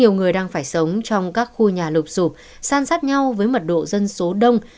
nhiều người đang phải sống trong các khu nhà lụp sụp san sát nhau với mật độ dân số đông